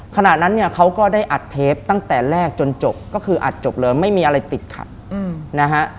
ขณะนั้นเนี่ยเขาก็ได้อัดเทปตั้งแต่แรกจนจบก็คืออัดจบเลยไม่มีอะไรติดขัดนะฮะ